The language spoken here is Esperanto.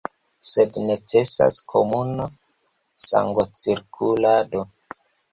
Sed necesas komuna sangocirkulado.